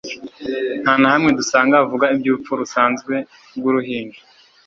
Nta na hamwe dusanga havuga ibyurupfu rusanzwe rwuruhinja